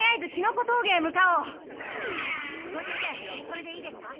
それでいいですか？